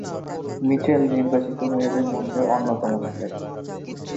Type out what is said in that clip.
Mitchell নির্বাচিত মেয়েদের মধ্যে অন্যতম ছিল।